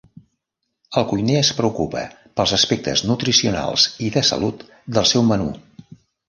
El cuiner es preocupa pels aspectes nutricionals i de salut del seu menú.